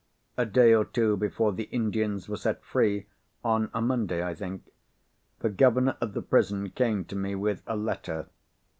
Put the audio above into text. A day or two before the Indians were set free (on a Monday, I think), the governor of the prison came to me with a letter.